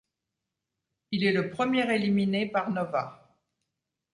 Il est le premier éliminé par Nova.